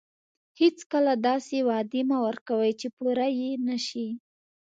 هیڅکله داسې وعدې مه ورکوئ چې پوره یې نه شئ.